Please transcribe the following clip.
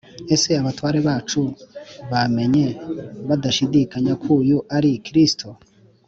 ese abatware bacu bamenye badashidikanya ko uyu ari kristo?